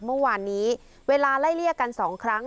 เมื่อวานนี้เวลาไล่เลี่ยกัน๒ครั้ง